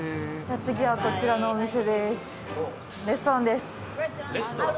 次はこちらのお店です。